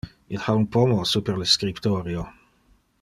Il ha un pomo super le scriptorio.